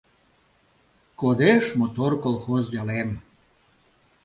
Кодеш мотор колхоз ялем —